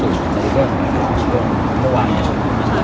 มันน่าจะเป็นรายเดียวกันไหมครับ